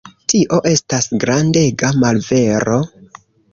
Tio estas grandega malvero.